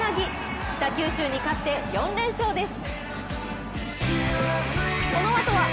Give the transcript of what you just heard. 北九州に勝って４連勝です。